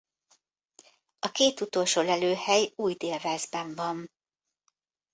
A két utolsó lelőhely Új-Dél-Walesben van.